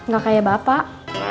gak kayak bapak